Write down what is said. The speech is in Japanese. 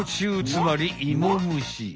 つまりいもむし！